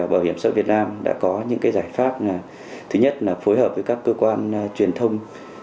bảo hiểm xã hội việt nam đã có những giải pháp thứ nhất là phối hợp với các cơ quan truyền thông